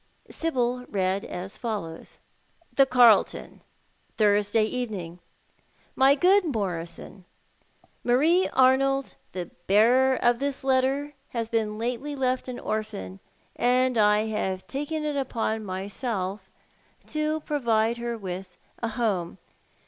Sibyl read as follows :—" The Carlton, Thursday evening. "My good Morison, "Marie Arnold, the bearer of this letter, has l)ecn lately left an orphan, and I have taken upon myself to provide 42 Thott art the Man. her with a home.